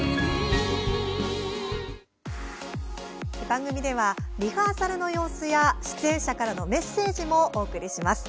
番組ではリハーサルの様子や出演者からのメッセージもお送りします。